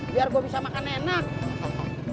biar gue bisa makan enak